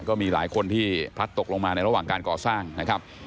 ก็มีหลายคนที่พลัดตกลงมาในระหว่างการก่อสร้างนะครับ